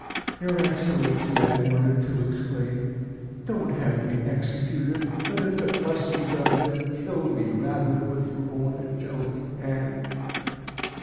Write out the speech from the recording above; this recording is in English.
"Your Excellency," I wanted to exclaim, "don't have me executed, but if it must be done, then kill me rather with your own angelic hand."